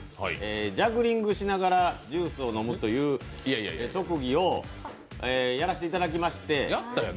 ジャグリングしながらジュースを飲むという特技をやらせていただきまして。